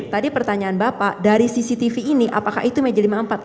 tadi pertanyaan bapak dari cctv ini apakah itu meja lima puluh empat